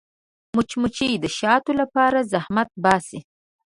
مچمچۍ د شاتو لپاره زحمت باسي